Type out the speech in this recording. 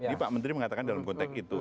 ini pak menteri mengatakan dalam konteks itu